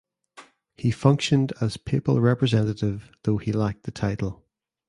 He functioned as papal representative though he lacked the title.